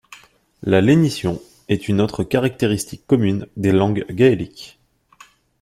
La lénition est une autre caractéristique commune des langues gaéliques.